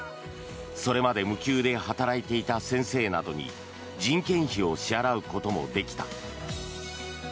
それまで無給で働いていた先生などに人件費を支払うこともできた。